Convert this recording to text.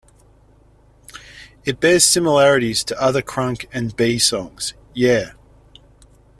It bears similarities to other crunk and B songs, Yeah!